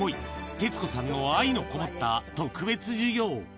徹子さんの愛の込もった特別授業。